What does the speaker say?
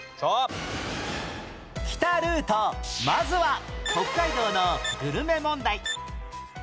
まずは北海道のグルメ問題